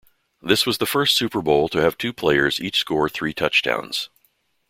This was the first Super Bowl to have two players each score three touchdowns.